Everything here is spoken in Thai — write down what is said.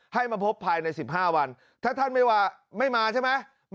ให้มาพบภายในสิบห้าวันถ้าท่านไม่ว่าไม่มาใช่ไหม